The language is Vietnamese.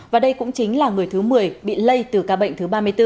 và đây cũng chính là người thứ một mươi bị lây từ ca bệnh thứ ba mươi bốn